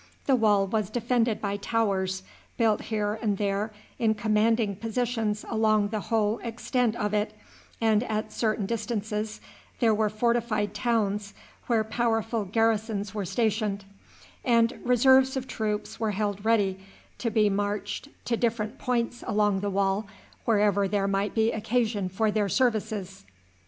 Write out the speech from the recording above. The wall was defended by towers, built here and there in commanding positions along the whole extent of it, and at certain distances there were fortified towns where powerful garrisons were stationed, and reserves of troops were held ready to be marched to different points along the wall, wherever there might be occasion for their services.